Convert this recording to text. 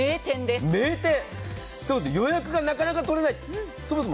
名店、予約がなかなか取れない。